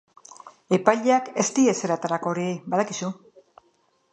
Epaileak ez die ezer aterako horiei, badakizu.